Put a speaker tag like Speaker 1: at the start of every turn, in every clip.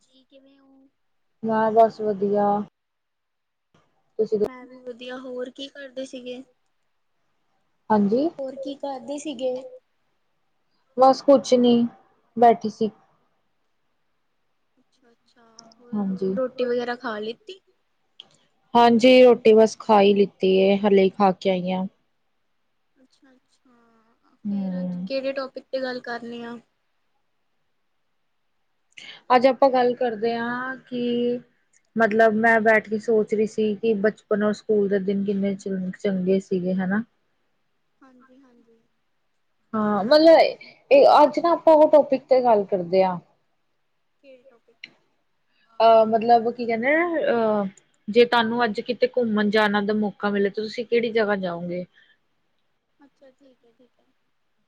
Speaker 1: ਜੀ ਕਿਵੇਂ ਉਹ
Speaker 2: ਮੈਂ ਬਸ ਵਧੀਆ ਤੁਸੀਂ ਦ
Speaker 1: ਮੈਂ ਵੀ ਵਧੀਆ ਹੋਰ ਕੀ ਕਰਦੇ ਸੀਗੇ।
Speaker 2: ਹਾਂਜੀ
Speaker 1: ਹੋਰ ਕੀ ਕਰਦੇ ਸੀਗੇ।
Speaker 2: ਬਸ ਕੁਛ ਨਹੀਂ ਬੈਠੀ ਸੀ।
Speaker 1: ਅੱਛਾ -ਅੱਛਾ ਹੋਰ
Speaker 2: ਹਾਂਜੀ
Speaker 1: ਰੋਟੀ ਵਗੈਰਾ ਖਾ ਲਿੱਤੀ।
Speaker 2: ਹਾਂਜੀ ਰੋਟੀ ਬਸ ਖਾਈ ਲਿੱਤੀ ਏ ਹੱਲੇ ਈ ਖਾ ਕੇ ਆਈ ਆਂ।
Speaker 1: ਅੱਛਾ-ਅੱਛਾ ਫੇਰ ਅੱਜ
Speaker 2: ਹਮ
Speaker 1: ਕਿਹੜੇ ਟੋਪਿਕ ਤੇ ਗੱਲ ਕਰਨੀ ਆ।
Speaker 2: ਅੱਜ ਆਪਾਂ ਗੱਲ ਕਰਦੇ ਆਂ ਕਿ ਮਤਲਬ ਮੈਂ ਬੈਠ ਤੇ ਸੋਚ ਰੀ ਸੀ ਕਿ ਬਚਪਨ ਔਰ ਸਕੂਲ ਦੇ ਦਿਨ ਕਿੰਨੇ 'ਚ ਚੰਗੇ ਸੀਗੇ ਹਨਾ।
Speaker 1: ਹਾਂਜੀ-ਹਾਂਜੀ
Speaker 2: ਹਾਂ ਮਲਬ ਏ ਏਹ ਅੱਜ ਨਾ ਆਪਾਂ ਓ ਟੋਪਿਕ ਤੇ ਗੱਲ ਕਰਦੇ ਆਂ।
Speaker 1: ਖੇਲ ਟੋਪਿਕ ਤੇ
Speaker 2: ਅ‌ ਮਤਲਬ ਕੀ ਕਹਿੰਦੇ ਅ ਜੇ ਤਾਨੂੰ ਅੱਜ ਕਿਤੇ ਘੁੰਮਨ ਜਾਨਾ ਦਾ ਮੌਕਾ ਮਿਲੇ ਤੁਸੀਂ ਕਿਹੜੀ ਜਗਾ ਜਾਓਗੇ।
Speaker 1: ਅੱਛਾ ਠੀਕ ਐ- ਠੀਕ ਐ।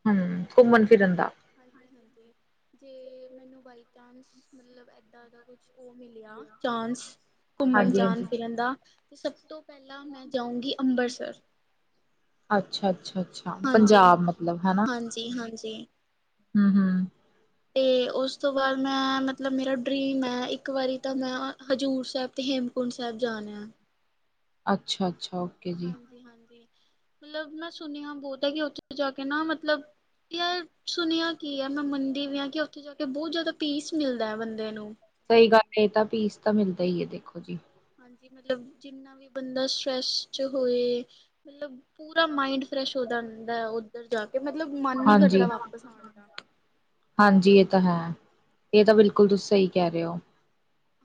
Speaker 2: ਹੂੰ ਘੁੰਮਨ ਫਿਰਨ ਦਾ
Speaker 1: ਹਾਂਜੀ- ਹਾਂਜੀ ਜੇ ਮੈਨੂੰ ਬਾਈ ਚਾਂਸ ਮਲਬ ਏਦਾ ਏਦਾਂ ਦਾ ਕੁਛ ਓ ਮਿਲਿਆ ਚਾਂਸ ਘੁੰਮਨ ਜਾਨ
Speaker 2: ਹਾਂਜੀ-ਹਾਂਜੀ।
Speaker 1: ਫਿਰਨ ਦਾ ਤੇ ਸਭ ਤੋ ਪਹਿਲਾਂ ਮੈਂ ਜਾਊਂਗੀ ਅੰਬਰਸਰ
Speaker 2: ਅੱਛਾ-ਅੱਛਾ- ਅੱਛਾ- ਪੰਜਾਬ ਮਤਲਬ ਹੈਨਾ।
Speaker 1: ਹਾਂਜੀ ਹਾਂਜੀ
Speaker 2: ਹਾਂ-ਹਾਂ
Speaker 1: [inaudible] ਤੇ ਓਸ ਤੋ‌ ਬਾਦ ਮੈਂ ਮਤਲਬ ਮੇਰਾ ਡਰੀਮ ਐ ਇਕ ਵਾਰੀ ਤਾਂ ਮੈਂ ਹਜ਼ੂਰ ਸਾਹਿਬ ਤੇ ਹੇਮ ਹੇਮਕੁੰਟ ਸੈਬ ਜਾਨਾ।
Speaker 2: ਅੱਛਾ, ਅੱਛਾ।
Speaker 1: ਹਾਂਜੀ, ਹਾਂਜੀ। ਮਤਲਬ ਮੈਂ ਸੁਨੇਆ ਬੋਤ ਐ, ਕਿ ਓਥੇ ਜਾਕੇ ਨਾ ਮਤਲਬ ਯਾਰ ਸੁਨੇਆ ਕੀ ਐ। ਮੈਂ ਮੰਦੀ ਵੀ ਆ, ਕਿ ਓਥੇ ਜਾ ਕੇ ਬੋਤ ਜੈਦਾ ਪੀਸ ਮਿਲਦਾ ਬੰਦੇ ਨੂੰ
Speaker 2: ਸਹੀ ਗੱਲ ਏ ਤਾਂ ਪੀਸ ਤਾਂ ਮਿਲਦਾ ਈ ਐ ਦੇਖੋ ਜੀ।
Speaker 1: ਹਾਂਜੀ ਮਤਲਬ ਜਿੰਨਾ ਵੀ ਬੰਦਾ ਸਟਰ੍ਰੈਸ 'ਚ ਹੋਏ। ਮਲਬ ਪੂਰਾ ਮਾਇੰਡ ਫਰੈਸ਼ ਹੋ ਜਾਂਦਾ ਓਧਰ ਜਾਕੇ ਤੇ ਮਤਲਬ ਮਨ ਨੀ
Speaker 2: ਹਾਂਜੀ,
Speaker 1: ਕਰਦਾ ਵਾਪਸ ਆਣ ਦਾ
Speaker 2: ਹਾਂਜੀ ਏ ਤਾਂ ਹੈ ਏ ਤਾਂ ਬਿਲਕੁਲ ਤੁਸੀ ਸਹੀ ਕਹਿ ਓ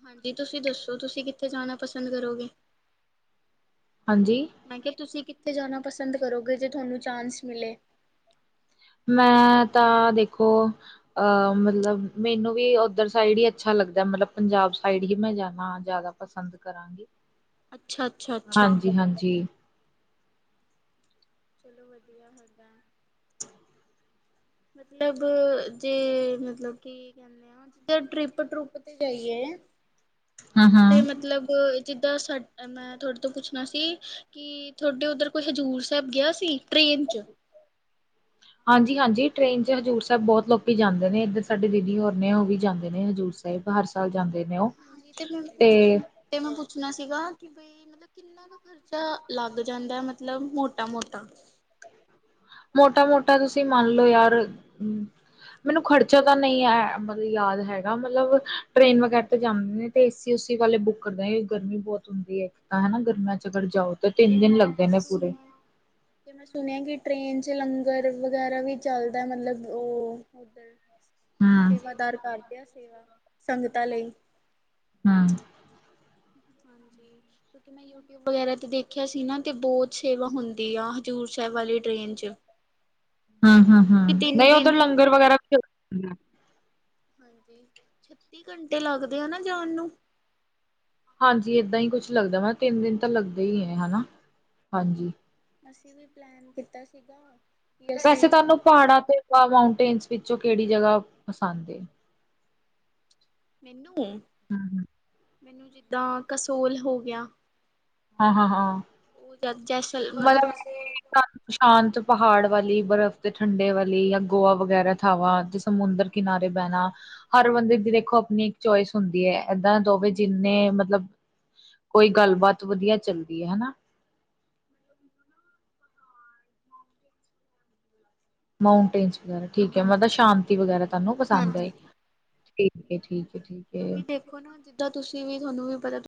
Speaker 1: ਹਾਂਜੀ ਤੁਸੀਂ ਦੱਸੋ ਤੁਸੀਂ ਕਿੱਥੇ ਜਾਣਾ ਪਸੰਦ ਕਰੋਗੇ।
Speaker 2: ਹਾਂਜੀ
Speaker 1: ਮੈਂ ਕਿਹਾ ਤੁਸੀਂ ਕਿੱਥੇ ਜਾਨਾ ਪਸੰਦ ਕਰੋਗੇ ਜੇ ਤੋਨੂੰ ਚਾਂਸ ਮਿਲੇ।
Speaker 2: ਮੈਂ ਤਾਂ ਦੇਖੋ। ਅ ਮਤਲਬ ਮੇਨੂੰ ਵੀ ਓਧਰ ਸਾਈਡ ਈ ਅੱਛਾ ਲੱਗਦਾ ਮਤਲਬ ਪੰਜਾਬ ਸਾਈਡ ਹੀ ਮੈਂ ਜਾਵਾਂ ਜਿਆਦਾ ਪਸੰਦ ਕਰਾਂਗੀ
Speaker 1: ਅੱਛਾ, ਅੱਛਾ, ਅੱਛਾ।
Speaker 2: ਹਾਂਜੀ- ਹਾਂਜੀ।
Speaker 1: ਚਲੋ ਵਦੀਆ ਹੈਦਾ ਮਤਲਬ ਜੇ ਮਤਲਬ ਕੀ ਕਹਿੰਦੇ ਜਿੱ ਟਰਿਪ- ਟਰੁਪ ਤੇ ਜਾਈਏ
Speaker 2: ਹੂੰ
Speaker 1: ਤੇ
Speaker 2: -ਹੂੰ
Speaker 1: ਮਤਲਬ ਜਿੱਦਾਂ ਸਾ ਮੈਂ ਤੁਹਾਡੇ ਤੋਂ ਪੁੱਛਣਾ ਸੀ ਕਿ, ਤੁਹਾਡੇ ਉੱਧਰ ਕੋਈ ਹਜ਼ੂਰ ਸਾਹਿਬ ਗਿਆ ਸੀ। ਟ੍ਰੇਨ ਚ
Speaker 2: ਹਾਂਜੀ -ਹਾਂਜੀ ਟਰੇੇਨ ਚ ਹਜ਼ੂਰ ਸਾਹਿਬ ਬਹੁਤ ਲੋਕੀ ਜਾਂਦੇ ਨੇ, ਇੱਧਰ ਸਾਡੇ ਦੀਦੀ ਹੋਰ ਨੇ ਉਹ ਵੀ ਜਾਂਦੇ ਨੇ ਹਜ਼ੂਰ ਸਾਹਿਬ। ਹਰ ਸਾਲ ਜਾਂਦੇ ਨੇ, ਉਹ
Speaker 1: ਹਾਂਜੀ ਤੇ ਮੈਂ ਪੁੱਛ
Speaker 2: ਤੇ
Speaker 1: ਤੇ ਮੈਂ ਪੁੱਛਣਾ ਸੀਗਾ ਕਿ ਬਈ ਮਤਲਬ ਕੀ ਕਿੰਨਾ ਕੁ ਖਰਚਾ ਲੱਗ ਜਾਂਦਾ ਐ, ਮਤਲਬ ਮੋਟਾ, ਮੋਟਾ
Speaker 2: ਮੋਟਾ- ਮੋਟਾ ਤੁਸੀਂ ਮੰਨ ਲਓ ਯਾਰ ਮੈਨੂੰ ਖ਼ਰਚਾ ਤਾਂ ਨਹੀਂ ਮਤਲਬ ਯਾਦ ਹੈਗਾ ਮਤਲਬ ਟ੍ਰੇਨ ਵਗੈਰਾ ਤੇ ਜਾਂਦੇ ਨੇ। ਤੇ ਏਸੀ ਓਸੀ ਵਾਲੇ ਬੁੱਕ ਕਰਦੇ ਹ ਗਰਮੀ ਬਹੁਤ ਹੁੰਦੀ ਹੈ, ਇੱਕ ਤਾਂ ਹਨਾ ਗਰਮੀਆਂ ਚ ਅਗਰ ਜਾਓ
Speaker 1: ਤੇ
Speaker 2: ਤਿੰਨ ਦਿਨ
Speaker 1: ਮੈਂ
Speaker 2: ਲੱਗਦੇ ਨੇ ਪੂਰੇ।
Speaker 1: ਸੁਣਿਆ ਤੇ ਮੈਂ ਸੁਣਿਆ ਕਿ ਟ੍ਰੇਨ ਚ ਲੰਗਰ ਵਗੈਰਾ ਵੀ ਚਲਦਾ, ਮਤਲਬ ਉਹ
Speaker 2: ਹੂੰ,
Speaker 1: ਸੇਵਾਦਾਰ ਕਰ ਦੇ ਆ ਸੇਵਾ, ਸੰਗਤਾਂ ਲਈ
Speaker 2: ਹਾਂ
Speaker 1: ਹਾਂਜੀ ਕਿਉਂਕਿ ਮੈਂ ਯੂਟੀ ਵਗੈਰਾ ਤੇ ਦੇਖਿਆ ਸੀ ਨਾ ਤੇ ਬਹੁਤ ਸੇਵਾ ਹੁੰਦੀ ਆ ਹਜ਼ੂਰ ਸਾਹਿਬ ਵਾਲੀ ਟਰੇਨ ਚ [inaudible]
Speaker 2: ਹੂੰ ਹੂੰ ਹੂੰ,
Speaker 1: ਕਿਉਂਕਿ ਤਿੰਨ
Speaker 2: ਨਹੀਂ ਉਧਰ
Speaker 1: ਦਿਨ
Speaker 2: ਲੰਗਰ ਵਗੈਰਾ
Speaker 1: ਹਾਂਜੀ ਛੱਤੀ ਘੰਟੇ ਲੱਗਦੇ ਆ ਨਾ ਜਾਣ ਨੂੰ
Speaker 2: ਹਾਂਜੀ ਏਦਾਂ ਹੀ ਕੁਛ ਲੱਗਦਾ, ਤਿੰਨ ਦਿਨ ਤਾਂ ਲੱਗਦਾ ਹੀ ਹੈ ਹਨਾ, ਹਾਂਜੀ
Speaker 1: ਅਸੀਂ ਵੀ ਪਲੈਨ ਕੀਤਾ ਸੀਗਾ ਕਿ ਅਸੀਂ
Speaker 2: ਵੈਸੇ ਤੁਹਾਨੂੰ ਪਹਾੜਾਂ ਤੇ ਮਾਊਂਟੇਨਸ ਵਿੱਚੋਂ ਕਿਹੜੀ ਜਗ੍ਹਾ ਪਸੰਦ ਏ
Speaker 1: ਮੈਨੂੰ,
Speaker 2: ਹੂੰ।
Speaker 1: ਮੈਨੂੰ ਜਿੱਦਾਂ ਕਸੋਲ ਹੋ ਗਿਆ।
Speaker 2: ਹਾਂ -ਹਾਂ, ਹਾਂ
Speaker 1: ਉਹ ਜੈਸਤਲ
Speaker 2: ਮਤਲਬ ਸ਼ਾਂਤ ਪਹਾੜ ਵਾਲੀ ਬਰਫ਼ ਤੇ ਠੰਡੇ ਵਾਲੀ ਜਾਂ ਗੋਆ ਵਗੈਰਾ ਥਾਵਾਂ ਸਮੁੰਦਰ ਕਿਨਾਰੇ ਬਹਿਣਾ ਹਰ ਬੰਦੇ ਦੀ ਦੇਖੋ ਆਪਣੀ ਇੱਕ ਚੋਇਸ ਹੁੰਦੀ ਹੈ, ਏਦਾਂ ਦਵੇ ਜਿੰਨੇ ਮਤਲਬ ਕੋਈ ਗੱਲਬਾਤ ਵਧੀਆ ਚੱਲਦੀ ਹੈ ਹਨਾ ਮਾਊਂਟੇਨ ਵਗੈਰਾ ਠੀਕ ਹੈ ਮਤਲਬ ਸ਼ਾਂਤੀ ਵਗੈਰਾ ਤੁਹਾਨੂੰ ਪਸੰਦ
Speaker 1: ਹਾਂਜੀ
Speaker 2: ਹੈ। ਠੀਕ, ਠੀਕ, ਠੀਕ ਹੈ
Speaker 1: ਕਿਉਂਕਿ ਦੇਖੋ ਨਾ ਜਿੱਦਾਂ ਤੁਸੀਂ ਵੀ ਤੁਹਾਨੂੰ ਵੀ ਪਤਾ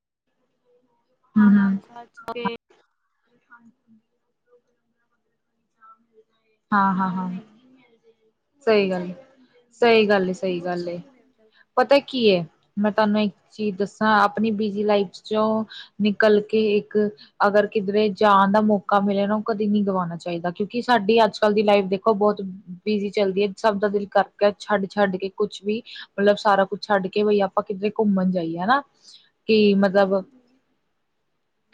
Speaker 2: [unintelligible]
Speaker 1: [unintelligible]
Speaker 2: ਹਾਂਜੀ ਹਾਂ ਹਾਂ, ਹਾਂ -ਹਾਂ ਸਹੀ ਗੱਲ ਸਹੀ ਗੱਲ ਏ ਸਹੀ
Speaker 1: ਬਹੁਤ
Speaker 2: ਗੱਲ
Speaker 1: ਸਕੂਨ
Speaker 2: ਏ
Speaker 1: ਮਿਲਦਾ
Speaker 2: ਪਤਾ ਕੀ ਹੈ ਮੈਂ ਤੁਹਾਨੂੰ ਇੱਕ ਚੀਜ਼ ਦੱਸਾਂ, ਆਪਣੀ ਬਿਜ਼ੀ ਲਾਈਫ ਚੋ ਨਿਕਲ ਕੇ ਇੱਕ ਅਗਰ ਕਿਧਰੇ ਜਾਣ ਦਾ ਮੌਕਾ ਮਿਲੇ ਨਾ, ਉਹ ਕਦੇ ਨਹੀਂੀ ਗਵਾਉਣਾ ਚਾਹੀਦਾ, ਕਿਉਂਕਿ ਸਾਡੀ ਅੱਜ ਚਲਦੀ ਲਾਈਫ ਦੇਖੋ ਬਹੁਤ ਬਿਜੀ ਚੱਲਦੀ ਹੈ, ਸਭ ਦਾ ਦਿਲ ਕਰਕੇ ਛੱਡ -ਛੱਡ ਕੇ ਕੁਛ ਵੀ ਮੱਤਲਬ ਸਾਰਾ ਕੁੱਛ ਛੱਡ ਕੇ ਬਈ ਆਪਾਂ ਕਿੱਧਰੇ ਘੁੰਮਣ ਜਾਈਏ ਹਨਾ ਕੀ ਮੱਤਲਬ
Speaker 1: ਹਾਂਜੀ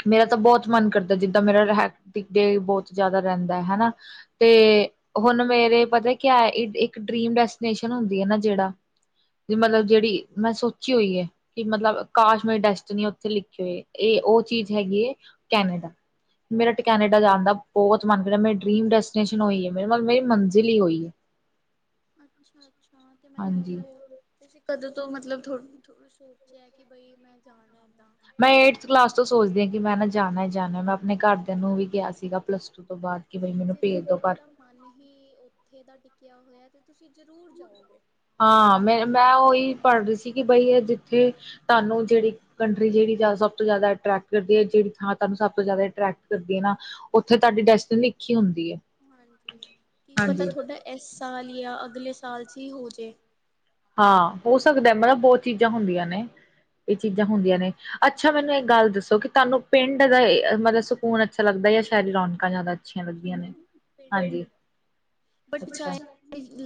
Speaker 2: ਮੇਰਾ ਤਾਂ ਬਹੁਤ ਮਨ ਕਰਦਾ ਜਿੱਦਾਂ ਮੇਰਾ ਹੈਕਟ੍ਰਿਕ ਡੇ ਬਹੁੱਤ ਜ਼ਿਆਦਾ ਰਹਿੰਦਾ ਹੈ ਹਨਾ ਤੇ ਹੁਣ ਮੇਰੇ ਪਤਾ ਕਿਆ ਇੱਕ ਡਰੀਮ ਡੈਸਟੀਨੇਸ਼ਨ ਹੁੰਦੀ ਹੈ ਨਾ ਜਿਹੜਾ ਵੀ ਮੱਤਲਬ ਜਿਹੜੀ ਮੈਂ ਸੋਚੀ ਹੋਈ ਹੈ ਕਿ ਮੱਤਲਬ ਕਾਸ਼ਮੀ ਡੈਸਟਨੀ ਉੱਥੇ ਲਿਖਿਏ ਇਹ ਉਹ ਚੀਜ਼ ਹੈਗੀ ਹੈ ਕੈਨੇਡਾ ਮੇਰਾ ਤਾਂ ਕੈਨੇਡਾ ਜਾਣ ਦਾ ਬਹੁਤ ਮਨ ਕਰਦਾ ਮੈਂ ਡਰੀਮ ਡੈਸ ਟੇਂਨਸ਼ਨ ਹੋਈ ਏ ਮੇਰੇ ਨਾਲ ਮੇਰੀ ਮੰਜ਼ਿਲ ਈ ਉਹੀ ਐਂ
Speaker 1: ਅੱਛਾ ਅੱਛਾ ਤੇ ਮੱਤਲਬ
Speaker 2: ਹਾਂਜੀ
Speaker 1: ਉਹ ਤੁਸੀਂ ਕਦੋਂ ਤੋਂ ਮੱਤਲਬ ਥੋ ਸੋਚਿਆ ਕਿ ਬਈ ਮੈਂ ਜਾਣਾ ਇੱਦਾਂ
Speaker 2: ਮੈਂ ਏਟਥ ਕਲਾਸ ਤੋਂ ਸੋਚਦੀ ਹਾਂ ਕਿ ਮੈਂ ਨਾ ਜਾਣਾ ਐ ਜਾਣਾ ਮੈਂ ਆਪਣੇ ਘਰਦਿਆਂ ਨੂੰ ਵੀ ਕਿਆ ਸੀਗਾ ਪਲੱਸ ਟੂ ਤੋਂ ਬਾਅਦ ਕਿ ਬਈ ਮੈਨੂੰ
Speaker 1: ਜੇ
Speaker 2: ਭੇਜ
Speaker 1: ਦੇਖੋ
Speaker 2: ਦੋ ਪਰ
Speaker 1: ਤੁਹਾਡਾ ਮਨ ਹੀ ਉੱਥੇ ਦਾ ਟਿੱਕਿਆ ਹੋਇਆ ਤੇ ਤੁਸੀਂ ਜ਼ਰੂਰ ਜਾਓਗੇ
Speaker 2: ਹਾਂ ਮੈਂ ਮੈਂ ਉਹੀ ਪੜ੍ਹ ਰਹੀ ਸੀ ਕਿ ਬਈ ਇਹ ਜਿੱਥੇ ਤੁਹਾਨੂੰ ਜਿਹੜੀ ਕੰਟਰੀ ਜਿਹੜੀ ਸਭ ਤੋਂ ਜ਼ਿਆਦਾ ਅਟਰੈਕਟ ਕਰਦੀ ਹੈ ਜਿਹੜੀ ਥਾਂ ਤੁਹਾਨੂੰ ਸਭ ਤੋਂ ਜ਼ਿਆਦਾ ਅਟਰੈਕਟ ਕਰਦੀ ਐ ਨਾ ਉੱਥੇ ਤੁਹਾਡੀ ਡੈਸਟਿਨ ਲਿਖੀ ਹੁੰਦੀ ਏ
Speaker 1: ਹਾਂਜੀ ਕੀ ਪਤਾ ਤੁਹਾਡਾ ਇਸ ਸਾਲ ਜਾਂ ਅਗਲੇ ਸਾਲ ਚ 'ਈ ਹੋ ਜੇ।
Speaker 2: ਹਾਂ ਹੋ ਸਕਦਾ ਮਤਲਬ ਬਹੁਤ ਚੀਜ਼ਾਂ ਹੁੰਦੀਆਂ ਨੇ। ਇਹ ਚੀਜ਼ਾਂ ਹੁੰਦੀਆਂ ਨੇ ਅੱਛਾ ਮੈਨੂੰ ਇਕ ਗੱਲ ਦੱਸੋ, ਕਿ ਤੁਹਾਨੂੰ ਪਿੰਡ ਗਏ ਮਤਲਬ ਫੂਨ ਅੱਛ ਲੱਗਦਾ ਹੈ ਸ਼ਰੀ ਰੌਕ ਜ਼ਿਆਦਾ ਅੱਛੀਆਂ ਲੱਗਦੀਆਂ ਨੇ
Speaker 1: ਮੈਨੂੰ ਪਿੰਡ ਦਾ,
Speaker 2: ਹਾਂਜੀ
Speaker 1: ਬਟ
Speaker 2: ਅੱਛਾ।
Speaker 1: ਚਾਏ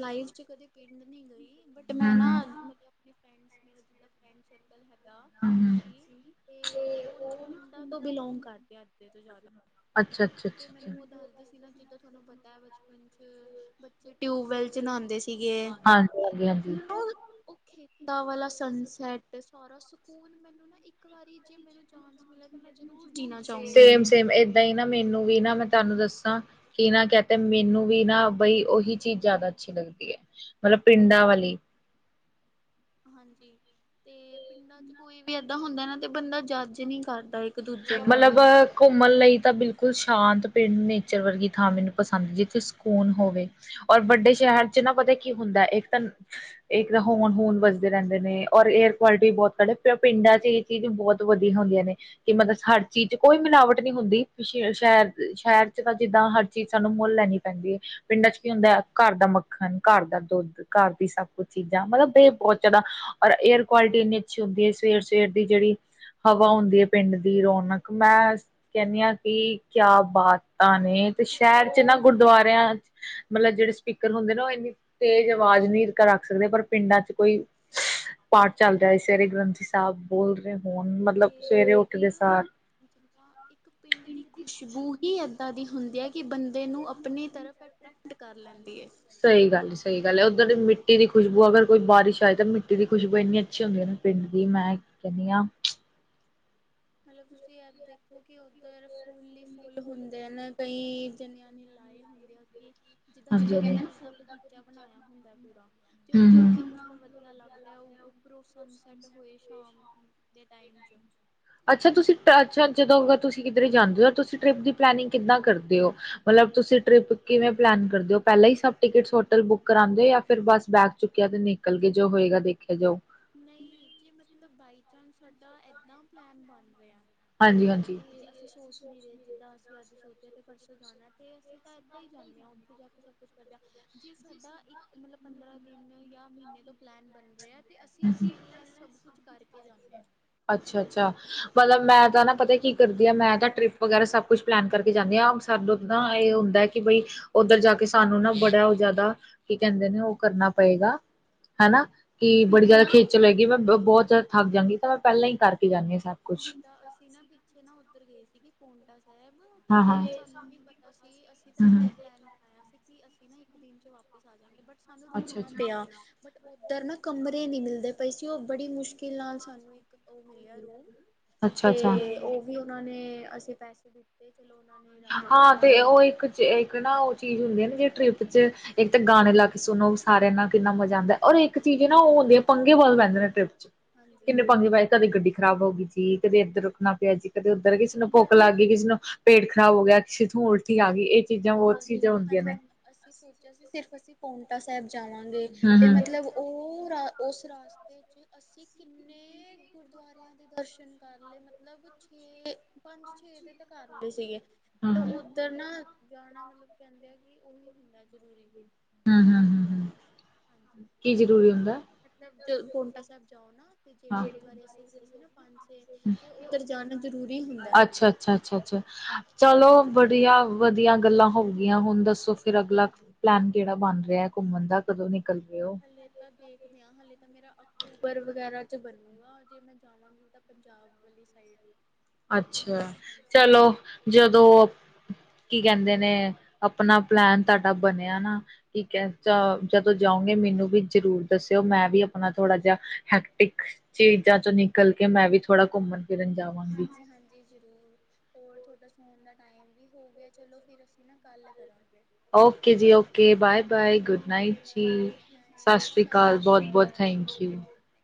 Speaker 1: ਲਾਈਫ ਚ ਕਦੇ ਪਿੰਡ ਨਹੀਂ ਗਈ ਬਟ ਮੈਂ
Speaker 2: ਹੂੰ
Speaker 1: ਨਾ
Speaker 2: ਹੂੰ।
Speaker 1: ਮਤਲਬ ਆਪਣੇ ਫਰੈਂਡ [unintelligible] ਫਰੈਂਡ ਸਰਕਲ ਹੈਗਾ
Speaker 2: ਹੂੰ
Speaker 1: ਸੀ
Speaker 2: ਹੂੰ।
Speaker 1: ਤੇ ਉਹ ਨਾ ਪਿੰਡਾਂ ਤੋਂ ਬਿਲੋਂਗ ਕਰਦੇ ਅੱਧੇ ਤੋਂ ਜ਼ਿਆਦਾ
Speaker 2: ਅੱਛਾ ਅੱਛਾ
Speaker 1: ਤੇ
Speaker 2: ਅੱਛਾ ਅੱਛਾ
Speaker 1: ਮੈਨੂੰ ਉਹ ਦੱਸਦੇ ਸੀ ਨਾ ਜਿੱਦਾਂ ਤੁਹਾਨੂੰ ਪਤਾ ਹੈ ਬੱਚਪਨ ਚ ਬੱਚੇ ਟਿਊਬਵੈਲ ਚ ਨਹਾਉਂਦੇ ਸੀਗੇ
Speaker 2: ਹਾਂਜੀ ਹਾਂਜੀ
Speaker 1: ਮੱਤਲਬ ਮੈਨੂੰ ਨਾ
Speaker 2: ਹਾਂਜੀ
Speaker 1: ਉਹ ਖੇਤਾਂ ਵਾਲਾ ਸਨਸੈਟ ਸਾਰਾ ਸਕੂਨ ਮੈਨੂੰ ਨਾ ਇੱਕ ਵਾਰੀ ਜੇ ਮੈਨੂੰ ਜਾਣ
Speaker 2: ਸੇਮ ਸੇਮ ਏਦਾਂ ਈ ਨਾ ਮੈਨੂੰ ਵੀ ਨਾ ਮੈਂ ਤੁਹਾਨੂੰ ਦੱਸਾਂ ਕਿਨਾ ਕਹਿ ਤੇ ਮੈਨੂੰ ਵੀ ਨਾ ਬਈ ਉਹੀ ਚੀਜ਼ ਜ਼ਿਆਦਾ ਅੱਛੀ ਲੱਗਦੀ ਐ ਮੱਤਲਬ ਪਿੰਡਾਂ ਵਾਲੀ
Speaker 1: ਹਾਂਜੀ ਤੇ ਪਿੰਡਾਂ ਚ ਕੋਈ ਵੀ ਏਦਾਂ ਹੁੰਦਾ ਨਾ ਤੇ ਬੰਦਾ ਜੱਜ ਨਹੀਂ ਕਰਦਾ ਦੂਜੇ
Speaker 2: ਮੱਤਲਬ
Speaker 1: ਨੂੰ
Speaker 2: ਘੁੰਮਣ ਲਈ ਤਾਂ ਬਿਲਕੁਲ ਸ਼ਾਂਤ ਪਿੰਡ ਨੇਚਰ ਵਰਗੀ ਥਾਂ ਮੈਨੂੰ ਪਸੰਦ ਜਿੱਥੇ ਸਕੂਨ ਹੋਵੇ ਔਰ ਵੱਡੇ ਸ਼ਹਿਰ ਚ ਨਾ ਪਤਾ ਕੀ ਹੁੰਦਾ ਇੱਕ ਤਾਂ ਇੱਕ ਤਾਂ ਹੋਰਣ ਹੂਰਣ ਵਜਦੇ ਰਹਿੰਦੇ ਨੇ ਔਰ ਏਅਰ ਕੁਆਲਿਟੀ ਵੀ ਬਹੁੱਤ ਘੱਟ ਹੈ ਪਿੰਡਾਂ ਚ ਈ ਚੀਜ਼ ਬਹੁਤ ਵਧੀਆ ਹੁੰਦੀਆਂ ਨੇ ਕਿ ਮੱਤਲਬ ਹਰ ਚੀਜ਼ ਚ ਕੋਈ ਮਿਲਾਵਟ ਨਹੀਂ ਹੁੰਦੀ ਸ਼ਹਿਰ ਸ਼ਹਿਰ ਚੱ ਤਾਂ ਜਿੱਦਾਂ ਹਰ ਚੀਜ਼ ਸਾਨੂੰ ਮੁੱਲ ਲੈਣੀ ਪੈਂਦੀ ਹੈ ਪਿੰਡਾਂ ਚ ਕੀ ਹੁੰਦਾ ਘਰ ਦਾ ਮੱਖਣ ਘਰ ਦਾ ਦੁੱਧ ਘਰ ਦੀ ਸਭ ਕੁੱਛ ਚੀਜ਼ਾਂ ਮੱਤਲਬ ਇਹ ਬਹੁੱਤ ਜ਼ਿਆਦਾ ਔਰ ਏਅਰ ਕੁਆਲਿਟੀ ਇੰਨੀ ਅੱਛੀ ਹੁੰਦੀ ਹੈ ਸਵੇਰ ਸਵੇਰ ਦੀ ਜਿਹੜੀ ਹਵਾ ਹੁੰਦੀ ਹੈ ਪਿੰਡ ਦੀ ਰੌਣਕ ਮੈਂ ਕਹਿੰਦੀ ਹਾਂ ਕਿ ਕਿਆ ਬਾਤ ਨੇ ਤੇ ਸ਼ਹਿਰ
Speaker 1: ਉਹ
Speaker 2: ਚ ਨਾ ਗੁਰਦੁਆਰਿਆਂ ਮੱਤਲਬ ਜਿਹੜੇ ਸਪੀਕਰ ਹੁੰਦੇ ਨਾ ਉਹ ਇੰਨੀ ਤੇਜ਼ ਆਵਾਜ਼ ਨਹੀਂ ਰੱਖ ਸਕਦੇ ਪਰ ਪਿੰਡਾਂ ਚ ਕੋਈ ਪਾਠ ਚੱਲ ਰਿਹਾ ਹੈ ਸਵੇਰੇ ਗ੍ਰੰਥੀ ਸਾਹਿਬ ਬੋਲ ਰਹੇ ਹੋਣ ਮੱਤਲਬ ਸਵੇਰੇ ਉੱਠਦੇ ਸਾਰ
Speaker 1: ਜਾ ਇੱਕ [unintelligible] ਪਿੰਡ ਦੀ ਖੁਸ਼ਬੂ ਹੀ ਇਦਾਂ ਦੀ ਹੁੰਦੀ ਹੈ ਕਿ ਬੰਦੇ ਨੂੰ ਆਪਣੀ ਤਰਫ [unintelligible] ਕਰ ਲੈਂਦੀ ਹੈ
Speaker 2: ਸਹੀ ਗੱਲ ਹੈ ਸਹੀ ਗੱਲ ਉੱਧਰ ਮਿੱਟੀ ਦੀ ਖੁਸ਼ਬੂ ਅਗਰ ਬਾਰਿਸ਼ ਆਏ ਤਾਂ ਮਿੱਟੀ ਦੀ ਖੁਸ਼ਬੂ ਇੰਨੀ ਅੱਛੀ ਹੁੰਦੀ ਨਾ ਪਿੰਡ ਦੀ ਮੈਂ ਕੀ ਕਹਿੰਦੀ ਆਂ
Speaker 1: ਮੱਤਲਬ ਤੁਸੀਂ ਇਹ ਦੇਖੋ ਕਿ ਫਿਰ ਫੁੱਲ ਹੀ ਫੁੱਲ ਹੁੰਦੇ ਨੇ, ਕਈ ਜਨਿਆਂ ਨੇ ਲਾਏ ਹੁੰਦੇ ਆ ਕਿ। ਜਿੱਦਾਂ ਕਹਿੰਦੇ ਨਾ, ਫੁੱਲ ਦਾ ਬਗੀਚਾ ਬਣਾਇਆ ਹੁੰਦਾ ਪੂਰਾ, ਤੇ ਉਹ ਕਿੰਨਾ ਮਤਲਬ ਵਧੀਆ ਲੱਗਦਾ। ਅਤੇ ਉੱਪਰੋਂ ਸਨਸੈੱਟ ਹੋਏ ਸ਼ਾਮ ਦੇ ਟਾਈਮ 'ਚ
Speaker 2: ਅੱਛਾ ਤੁਸੀਂ [unintelligible] ਛਾ ਜਦੋਂ ਅਗਰ ਤੁਸੀਂ ਕਿੱਧਰੇ ਜਾਂਦੇ ਹੋ, ਤੁਸੀਂ ਟ੍ਰਿਪ ਦੀ ਪਲੈਨਿੰਗ ਕਿਦਾ ਕਰਦੇ ਓ। ਮਤਲਬ ਤੁਸੀਂ ਟ੍ਰਿਪ ਕਿਵੇਂ ਪਲੈਨ ਕਰਦੇ ਹੋ, ਪਹਿਲਾਂ ਹੀ ਸਭ ਟਿਕਟ ਹੋਟਲ ਬੁੱਕ ਕਰਾਉਂਦੇ ਹੋ ਜਾਂ ਫਿਰ ਬਸ ਬੇਗ ਚੁੱਕਿਆ ਤੇ ਨਿਕਲ ਗਏ, ਜੋ ਹੋਏਗਾ ਦੇਖਿਆ ਜਾਊ।
Speaker 1: ਨਹੀਂ, ਜੇ ਮਤਲਬ ਬਾਈ ਚਾਂਸ ਤੁਹਾਡਾ ਏਦਾਂ ਪਲੈਨ ਬਣ ਰਿਹਾ।
Speaker 2: ਹਾਂਜੀ-ਹਾਂਜੀ
Speaker 1: ਤੇ ਅਸੀਂ ਸੋਚ ਨੀ ਰਹੇ, ਜਿੱਦਾਂ ਅਸੀਂ ਅੱਜ ਸੋਚਿਆ ਤੇ ਪਰਸੋਂ ਜਾਣਾ ਤੇ ਅਸੀਂ ਤਾਂ ਇੱਦਾਂ ਹੀ ਜਾਂਦੇ ਹਾ ਓਥੇ। ਉੱਥੇ ਜਾ ਕੇ ਸਭ ਕੁੱਛ ਕਰਦੇ ਆ, ਜੇ ਸਾਡਾ ਇੱਕ ਮਤਲਬ ਪੰਦਰਾਂ ਦਿਨ ਜਾਂ ਮਹੀਨੇ ਤੋਂ ਪਲੈਨ ਬਣ ਰਿਹਾ। ਤੇ, ਅਸੀਂ ਪਹਿਲਾਂ ਹੀ ਸਭ ਕੁਝ ਕਰਕੇ ਜਾਂਦੇ ਹਾਂ।
Speaker 2: ਅੱਛਾ-ਅੱਛਾ ਮਤਲਬ ਮੈਂ ਤਾਂ ਨਾ ਪਤਾ ਕੀ ਕਰਦੀ ਆ, ਮੈਂ ਤਾਂ ਟ੍ਰਿਪ ਵਗੈਰਾ ਸਭ ਕੁੱਛ ਪਲੈਨ ਕਰਕੇ ਜਾਂਦੀ ਆ। ਸਾਨੂੰ ਨਾ ਇਹ ਹੁੰਦਾ ਹੈ ਕਿ ਬਈ ਉੱਧਰ ਜਾ ਕੇ ਸਾਨੂੰ ਨਾ ਬੜਾ ਉਹ ਜ਼ਿਆਦਾ ਕੀ ਕਹਿੰਦੇ ਨੇ ਉਹ ਕਰਨਾ ਪਏਗਾ ਹਨਾ ਕਿ
Speaker 1: ਕਿਉਂਕਿ
Speaker 2: ਬੜੀ
Speaker 1: ਨਾ
Speaker 2: ਜ਼ਿਆਦਾ ਖੇਚਲ ਹੈਗੀ ਮੈਂ ਬਹੁਤ ਜ਼ਿਆਦਾ ਥੱਕ ਜਾਂਗੀ ਤਾਂ ਮੈਂ ਪਹਿਲਾਂ ਹੀ ਕਰਕੇ ਜਾਂਦੀ ਹਾਂ ਸਾਰਾ
Speaker 1: ਹੁ ਜਿੱਦਾਂ ਅਸੀਂ ਨਾ ਪਿੱਛੇ ਨਾ ਉੱਧਰ ਗਏ ਸੀਗੇ ਪਾਉਂਟਾ ਸਾਹਿਬ
Speaker 2: ਹਾਂ ਹਾਂ
Speaker 1: ਤੇ ਸਾਨੂੰ ਨੀ ਪਤਾ ਸੀ ਅਸੀਂ ਤਾਂ ਇਦਾਂ
Speaker 2: ਹਮ
Speaker 1: ਹੀ ਪਲੈਨ ਆਇਆ ਸੀ ਕਿ ਅਸੀਂ ਨਾ ਇੱਕ ਦਿਨ ਚ ਵਾਪਿਸ ਆ ਜਾਗੇ ਬਟ ਸਾਨੂੰ
Speaker 2: ਅੱਛਾ
Speaker 1: ਰੁਕਣਾ
Speaker 2: ਅੱਛਾ
Speaker 1: ਪਿਆ ਬਟ ਉੱਧਰ ਨਾ ਕਮਰੇ ਨਹੀਂ ਮਿਲਦੇ ਪਏ ਸੀ ਉਹ ਬੜੀ ਮੁਸ਼ਕਿਲ ਨਾਲ ਸਾਨੂੰ ਇੱਕ ਉਹ ਮਿਲਿਆ ਰੂਮ
Speaker 2: ਅੱਛਾ ਅੱਛਾ
Speaker 1: ਤੇ ਉਹ ਵੀ ਉਹਨਾਂ ਨੇ ਅਸੀਂ ਪੈਸੇ ਦਿੱਤੇ ਚਲੋ ਉਹਨਾਂ ਨੇ ਰ ਕਰ
Speaker 2: ਹਾਂ
Speaker 1: ਲਿਆ
Speaker 2: ਉਹ ਇੱਕ ਤੇ, ਇੱਕ ਨਾ ਉਹ ਚੀਜ਼ ਹੁੰਦੀ ਹੈ ਨਾ ਜੇ ਟਰਿੱਪ 'ਚ ਇੱਕ ਤਾਂ ਗਾਣੇ ਲਾ ਕੇ ਸੁਣੋ ਸਾਰਿਆਂ ਨਾਲ ਕਿੰਨਾ ਮਜ਼ਾ ਆਂਦਾ, ਔਰ ਇੱਕ ਚੀਜ਼ ਨਾ ਉਹ ਹੁੰਦੀ ਹੈ ਪੰਗੇ ਬਹੁਤ ਲੈਂਦੇ ਨੇ ਟ੍ਰਿਪ ਚ।
Speaker 1: ਹਾਂਜੀ
Speaker 2: ਕਿੰਨੇ ਪੰਗੇ ਪਏ, ਕਦੀ ਗੱਡੀ ਖ਼ਰਾਬ ਹੋ ਗਈ ਜੀ, ਕਦੇ ਇੱਧਰ ਰੁਕਣਾ ਪਿਆ ਜੀ, ਕਦੇ ਉੱਧਰ ਕਿਸੇ ਨੂੰ
Speaker 1: ਬਟ
Speaker 2: ਭੁੱਖ ਲੱਗ-'- ਕਿਸੇ ਨੂੰ ਪੇਟ ਖ਼ਰਾਬ ਹੋ ਗਿਆ, ਕਿਸੇ ਤੋਂ ਉਲਟੀ ਆ ਗਈ, ਇਹ ਚੀਜ਼ਾਂ ਬਹੁਤ
Speaker 1: ਹਾਂਜੀ
Speaker 2: ਚੀਜ਼ਾਂ ਹੁੰਦੀਆਂ
Speaker 1: ਹਾਂਜੀ
Speaker 2: ਨੇ।
Speaker 1: ਅਸੀਂ ਸੋਚਿਆ ਸੀ ਸਿਰਫ ਅਸੀਂ ਪਾਉਂਟਾ ਸਾਹਿਬ ਜਾਵਾਂਗੇ, ਤੇ ਮਤਲਬ ਉਹ, ਉਸ ਰਸਤੇ ਚ ਅਸੀਂ ਕਿੰਨੇ ਤੇ, ਗੁਰਦੁਆਰਿਆਂ ਦੇ ਦਰਸ਼ਨ ਕਰ ਲਏ ਮਤਲਬ। ਮਤਲਬ, ਛੇ ਪੰਜ ਛੇ ਦੇ ਤਾਂ ਕਰ ਲਏ ਸੀਗੇ।
Speaker 2: ਉੱਧਰ ਨਾ
Speaker 1: ਮਤਲਬ ਉੱਧਰ ਨਾ, ਜਾਣਾ ਮਤਲਬ ਕਹਿੰਦੇ ਆ ਕਿ ਉਹੀ ਹੁੰਦਾ ਜ਼ਰੂਰੀ।
Speaker 2: ਹਮ-ਹਮ-ਹਮ-ਹਮ,
Speaker 1: ਹਾਂਜੀ
Speaker 2: ਕੀ ਜਰੂਰੀ ਹੁੰਦਾ।
Speaker 1: ਮਤਲਬ, ਜਦੋਂ ਪਾਉਂਟਾ ਸਾਹਿਬ ਜਾਓ ਨਾ ਤੇ ਜਿਹੜੇ
Speaker 2: ਹਾਂ।
Speaker 1: ਗੁਰਦੁਆਰੇ ਅਸੀ ਗਏ ਸੀ ਨਾ, ਪੰਜ ਛੇ ਉੱਧਰ ਜਾਣਾ ਜਰੂਰੀ ਹੁੰਦਾ।
Speaker 2: ਅੱਛਾ-ਅੱਛਾ-ਅੱਛਾ ਚਲੋ ਬੜੀਆ ਵਧੀਆ ਗੱਲਾਂ ਹੋਗੀਆਂ, ਹੁਣ ਦੱਸੋ ਫਿਰ ਅਗਲਾ ਪਲੈਨ ਕਿਹੜਾ ਬਣ ਰਿਹਾ ਘੁੰਮਣ ਦਾ, ਕਦੋਂ ਨਿਕਲ ਰਹੇ ਹੋ।
Speaker 1: ਹਲੇੇ ਤਾਂ ਦੇਖਦੇ ਹਾਂ, ਹਲੇੇ ਤਾਂ ਮੇਰਾ ਅਕਤੂਬਰ ਵਗੈਰਾ ਚ ਬਣੂਗਾ ਜੇ ਮੈਂ ਜਾਵਾਂਗੀ। ਪੰਜਾਬ ਵਾਲੀ ਸਾਈਡ
Speaker 2: ਅੱਛਾ,
Speaker 1: ਹਾਂਜੀ
Speaker 2: ਚਲੋ ਜਦੋਂ ਕੀ ਕਹਿੰਦੇ ਨੇ, ਆਪਣਾ ਪਲੈਨ ਤੁਹਾਡਾ ਬਣਿਆ ਨਾ ਠੀਕ ਹੈ, ਚ ਜਦੋਂ ਜਾਓਗੇ ਮੈਨੂੰ ਵੀ ਜ਼ਰੂਰ ਦੱਸਿਓ ਮੈਂ ਵੀ ਆਪਣਾ ਥੋੜਾ ਜਿਹਾ ਹੈਕਟਿਕ ਚੀਜ਼ਾਂ ਚੋਂ ਨਿਕਲ ਕੇ ਮੈਂ ਵੀ ਥੋੜਾ ਘੁੰਮਣ ਫਿਰਨ ਜਾਵਾਂਗੀ।
Speaker 1: ਹਾਂਜੀ-ਹਾਂਜੀ ਜੀ ਜ਼ਰੂਰ, ਹੋਰ ਤੁਹਾਡਾ ਸੌਣ ਦਾ ਟਾਈਮ ਵੀ ਹੋ ਗਿਆ ਚਲੋ ਫਿਰ ਅਸੀਂ ਨਾ ਕੱਲ ਕਰਾਂਗੇ।
Speaker 2: ਓਕੇ ਜੀ okay, bye bye good
Speaker 1: okay
Speaker 2: night
Speaker 1: bye
Speaker 2: ਜੀ।
Speaker 1: ਗੁੱਡ ਨਾਈਟ
Speaker 2: ਸਤਿ ਸ਼੍ਰੀ ਅਕਾਲ ਬਹੁਤ-ਬਹੁਤ
Speaker 1: ਜੀ ਓਕੇ
Speaker 2: ਥੈਂਕ
Speaker 1: ਬਹੁਤ
Speaker 2: ਯੂ
Speaker 1: ਬਹੁਤ ਥੈਂਕ